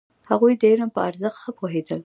هغوی د علم په ارزښت ښه پوهېدل.